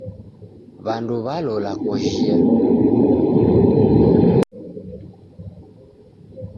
W'andu w'alola kojhia.